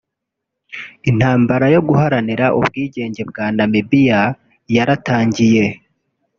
Intambara yo guharanira ubwigenge bwa Namibiya yaratangiye